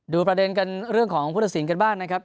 ดูประเด็นกันเรื่องของธรสินทร์กันบ้างนะครับ